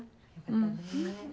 うん。